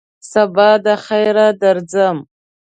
سبا دخیره درځم !